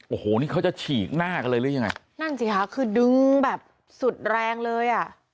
โอ้โหนี่เขาจะฉีกหน้ากันเลยหรือยังไงนั่นสิค่ะคือดึงแบบสุดแรงเลยอ่ะ